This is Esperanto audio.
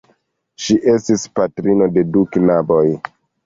Ŝi estis patrino de du knaboj.